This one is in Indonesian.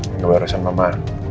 gue harusin mama